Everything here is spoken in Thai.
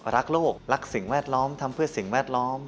รักโลกรักสิ่งแวดล้อมทำเพื่อสิ่งแวดล้อม